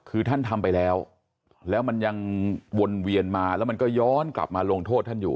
คือท่านทำไปแล้วแล้วมันยังวนเวียนมาแล้วมันก็ย้อนกลับมาลงโทษท่านอยู่